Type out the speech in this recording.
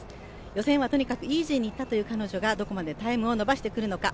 予選はとにかくイージーにいったという彼女が、どこまでタイムを伸ばしてくるのか。